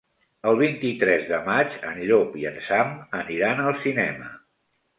El vint-i-tres de maig en Llop i en Sam aniran al cinema.